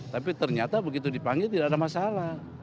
tapi ternyata begitu dipanggil tidak ada masalah